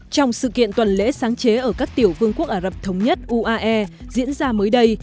trong sự kiện tuần lễ sáng chế ở các tiểu vương quốc ả rập thống nhất uae diễn ra mới đây